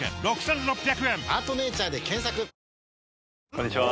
こんにちは。